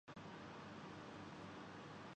ملک ایک بار پھر دو جماعتی نظام کی طرف لوٹ گیا ہے۔